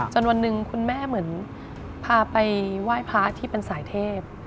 วันหนึ่งคุณแม่เหมือนพาไปไหว้พระที่เป็นสายเทพ